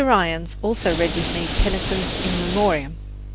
Irons also read with me Tennyson's "In Memoriam."